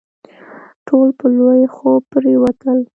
ټول په لوی خوب پرېوتل.